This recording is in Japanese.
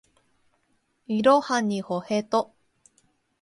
いろはにほへと